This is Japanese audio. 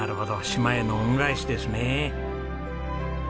島への恩返しですね。